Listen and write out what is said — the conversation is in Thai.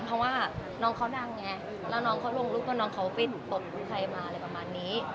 เพราะว่าน้องเขาดังไงแล้วน้องเขาลงรูปว่าน้องเขาเป็นตบคุณใครมาอะไรประมาณนี้